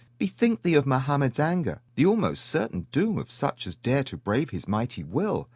Bethink thee of Mohammed's anger, the almost certain doom of such as dare to brave his mighty will.